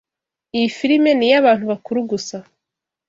Iyi firime ni iyabantu bakuru gusa.